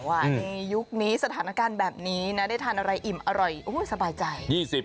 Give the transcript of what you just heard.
ในยุคนี้สถานการณ์แบบนี้นะได้ทานอะไรอิ่มอร่อยสบายใจ